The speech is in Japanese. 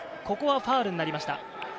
ここはファウルになりました。